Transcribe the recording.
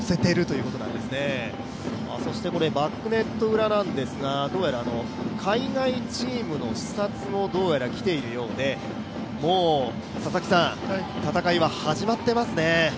そして、バックネット裏なんですが、どうやら海外チームの視察も来ているようでもう戦いは始まってますね。